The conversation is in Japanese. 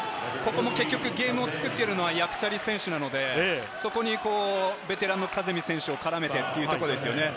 結局、ゲームを作っているのはヤクチャリ選手なので、ベテランのカゼミ選手を絡めてっていうところですよね。